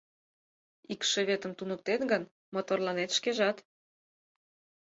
Икшыветым туныктет гын, моторланет шкежат!